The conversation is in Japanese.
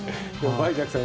梅雀さん